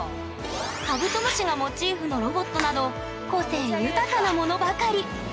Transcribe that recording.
カブトムシがモチーフのロボットなど個性豊かなものばかり。